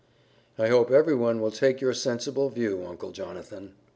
"I hope everyone will take your sensible view, Uncle Jonathan.